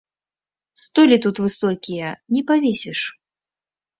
Столі тут высокія, не павесіш.